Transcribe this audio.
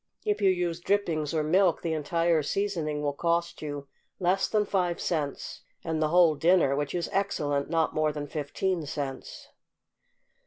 If you use drippings or milk the entire seasoning will cost you less than five cents; and the whole dinner, which is excellent, not more than fifteen cents.